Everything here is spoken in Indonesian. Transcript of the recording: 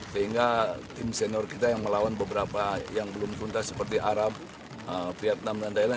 sehingga tim senior kita yang melawan beberapa yang belum tuntas seperti arab vietnam dan thailand